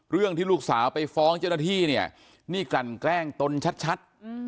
เรื่องที่ลูกสาวไปฟ้องเจ้าหน้าที่เนี่ยนี่กลั่นแกล้งตนชัด